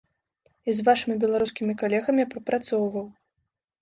І з вашымі беларускімі калегамі прапрацоўваў.